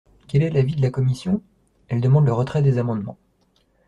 Quel est l’avis de la commission ? Elle demande le retrait des amendements.